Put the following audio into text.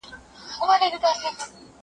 هم ګونګی سو هم یې مځکه نه لیدله